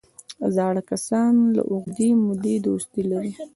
زاړه کسان د اوږدې مودې دوستي لري